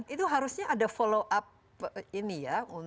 itu harusnya ada follow up ini ya